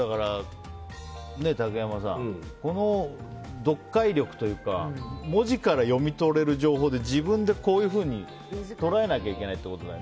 竹山さん、読解力というか文字から読み取れる情報で自分でこういうふうに捉えなきゃいけない